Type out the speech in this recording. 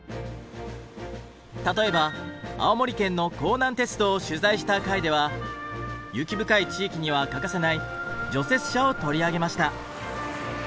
例えば青森県の弘南鉄道を取材した回では雪深い地域には欠かせない除雪車を取り上げました。